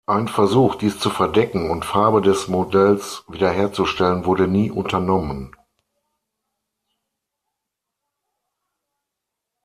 Ein Versuch, dies zu verdecken und Farbe des Modells wiederherzustellen wurde nie unternommen.